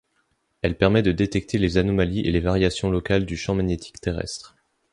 Elle permet de détecter les anomalies et les variations locales du champ magnétique terrestre.